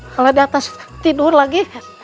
kalau diatas tidur lagi